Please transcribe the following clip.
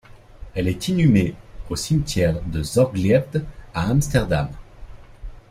Elle est inhumée au cimetière de Zorgvlied à Amsterdam.